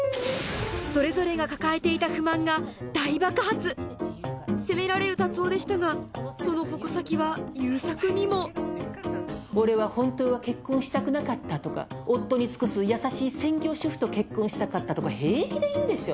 それぞれが責められる達男でしたがその矛先は悠作にも「俺は本当は結婚したくなかった」とか「夫に尽くす優しい専業主婦と結婚したかった」とか平気で言うでしょ？